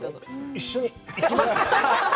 一緒に行きます？